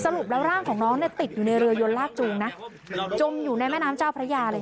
แล้วร่างของน้องเนี่ยติดอยู่ในเรือยนลากจูงนะจมอยู่ในแม่น้ำเจ้าพระยาเลยค่ะ